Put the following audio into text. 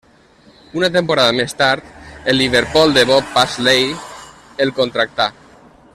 Una temporada més tard el Liverpool de Bob Paisley el contractà.